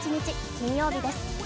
金曜日です。